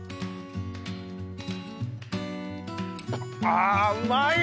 あうまい！